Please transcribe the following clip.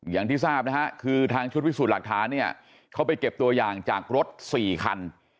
อย่างที่ทราบนะฮะคือทางชุดพิสูจน์หลักฐานเนี่ยเขาไปเก็บตัวอย่างจากรถ๔คัน